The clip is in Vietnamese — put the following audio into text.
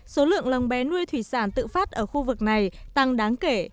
số lượng lồng bé nuôi thủy sản tự phát ở khu vực này tăng đáng kể